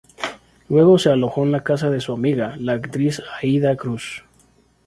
Luego se alojó en la casa de su amiga, la actriz Aída Luz.